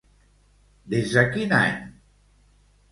Des de quin any?